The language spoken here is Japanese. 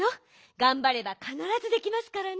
がんばればかならずできますからね。